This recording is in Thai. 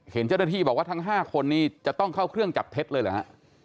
เห็นเจ้าหน้าที่บอกว่าทั้ง๕คนนี้จะต้องเข้าเครื่องจับเท็จเลยเหรอฮะ